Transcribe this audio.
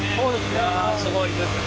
いやすごいですね。